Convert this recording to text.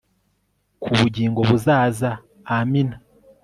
k'ubugingo buzaza amina